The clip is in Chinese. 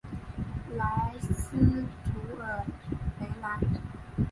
莱斯图尔雷莱。